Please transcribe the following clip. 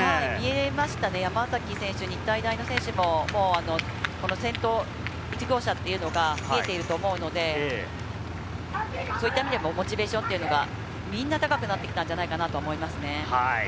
山崎選手、日体大の選手も先頭１号車というのが見えていると思うので、モチベーションというのが、みんな高くなってきたんじゃないかなと思いますね。